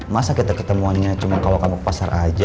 masa kita kemauannya cuma kalau kamu ke pasar saja